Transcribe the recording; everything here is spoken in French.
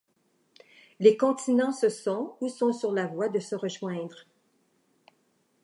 Les continents se sont, ou sont sur la voie de se rejoindre.